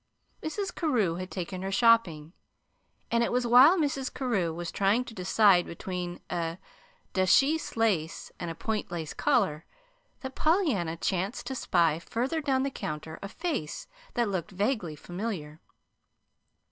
Mrs. Carew had taken her shopping, and it was while Mrs. Carew was trying to decide between a duchesse lace and a point lace collar, that Pollyanna chanced to spy farther down the counter a face that looked vaguely familiar.